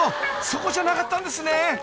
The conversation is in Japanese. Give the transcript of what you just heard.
そこじゃなかったんですね］